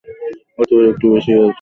হতে পারে, একটু বেশিই আছে।